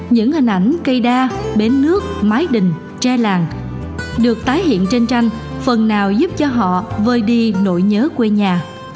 những hình ảnh cây đa bến nước mái đình tre làng được tái hiện trên tranh phần nào giúp cho họ vơi đi nỗi nhớ quê nhà